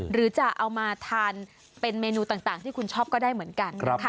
หรือจะเอามาทานเป็นเมนูต่างที่คุณชอบก็ได้เหมือนกัน